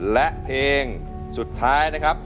และเพลงสุดท้ายนะครับ